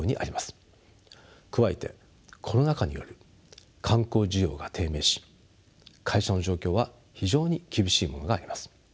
加えてコロナ禍により観光需要が低迷し会社の状況は非常に厳しいものがあります。